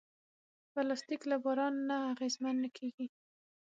پلاستيک له باران نه اغېزمن نه کېږي.